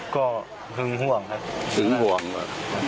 ก็หึงห่วงชัด